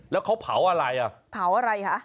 แล้วเขาเผาอะไร